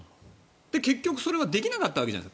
結局それはできなかったわけじゃない。